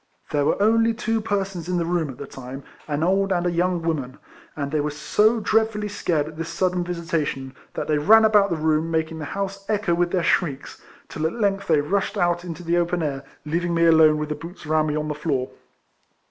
There were only two persons in the room at the time, an old and a young woman, and they were so dreadfully scared at this sudden visitation, that they ran about the room, making the house echo with their shrieks, till at length they rushed out into the open air, leaving me alone with the boots around me on the floor.